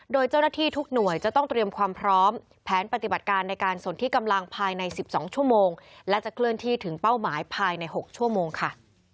โดยเจ้าหน้าที่ทุกหน่วยจะต้องเตรียมความพร้อมแผนปฏิบัติการในการสนที่กำลังภายใน๑๒ชั่วโมงและจะเคลื่อนที่ถึงเป้าหมายภายใน๖ชั่วโมงค่ะ